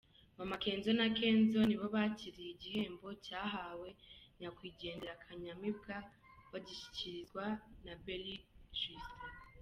Mama Kenzo na Kenzo nibo bakiriye igihembo cyahawe nyakwigendera Kanyamibwa, bagishyikirizwa na Belis Justin.